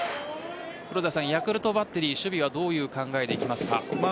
ヤクルトバッテリー、守備はどういう考えでいきますか？